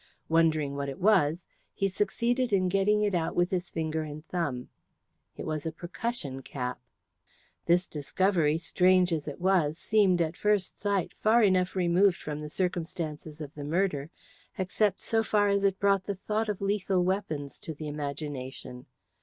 Wondering what it was, he succeeded in getting it out with his finger and thumb. It was a percussion cap. This discovery, strange as it was, seemed at first sight far enough removed from the circumstances of the murder, except so far as it brought the thought of lethal weapons to the imagination.